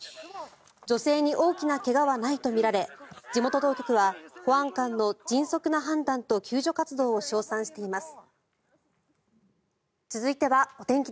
女性に大きな怪我はないとみられ地元当局は保安官の迅速な判断と救助活動を称賛しています。